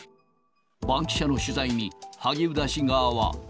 バンキシャの取材に、萩生田氏側は。